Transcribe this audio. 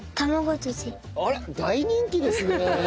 あら大人気ですね！